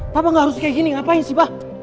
papa gak harus kayak gini ngapain sih pak